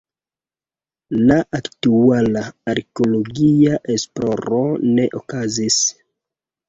La aktuala arkeologia esploro ne okazis.